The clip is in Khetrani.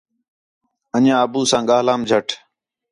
انڄیاں ابو ساں ڳاھلم جَھٹ